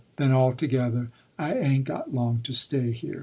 _ Then all together: _I ain't got long to stay here.